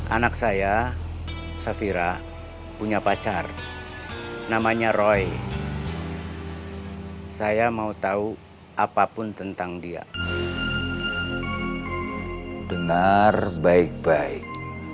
anak saya safira punya pacar namanya roy saya mau tahu apapun tentang dia benar baik baik